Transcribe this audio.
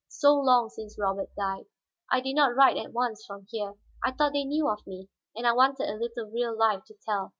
"So long since Robert died. I did not write at once from here; I thought they knew of me, and I wanted a little real life to tell.